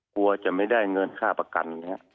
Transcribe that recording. กลัวจะไม่ได้เงินค่าประกัน